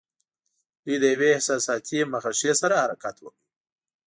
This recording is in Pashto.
دوی د یوې احساساتي مخه ښې سره حرکت وکړ.